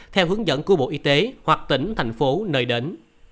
theo hướng dẫn của bộ y tế hoặc tỉnh thành phố nơi đến